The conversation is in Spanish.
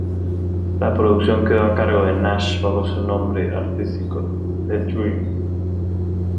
La producción quedó a cargo de Nash bajo su nombre artístico The-Dream.